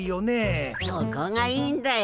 そこがいいんだよ。